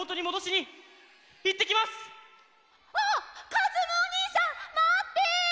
かずむおにいさんまって！